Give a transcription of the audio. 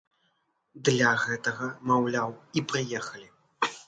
Для гэтага, маўляў, і прыехалі.